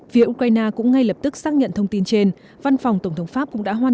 phía ukraine cũng ngay lập tức xác nhận thông tin trên văn phòng tổng thống pháp cũng đã hoan